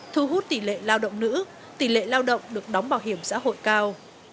thu hút tỷ lệ lao động nữ tỷ lệ lao động được đóng bảo hiểm xã hội cao